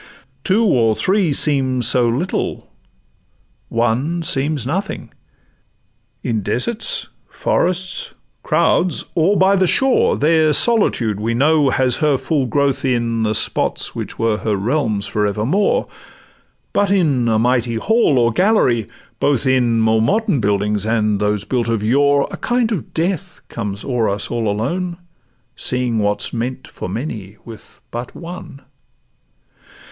Two or three seem so little, one seems nothing: In deserts, forests, crowds, or by the shore, There solitude, we know, has her full growth in The spots which were her realms for evermore; But in a mighty hall or gallery, both in More modern buildings and those built of yore, A kind of death comes o'er us all alone, Seeing what 's meant for many with but one.